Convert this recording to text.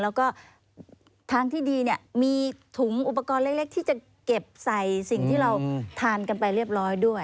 แล้วก็ทางที่ดีเนี่ยมีถุงอุปกรณ์เล็กที่จะเก็บใส่สิ่งที่เราทานกันไปเรียบร้อยด้วย